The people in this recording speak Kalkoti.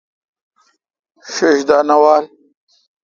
ݭݭ دا نہ وال۔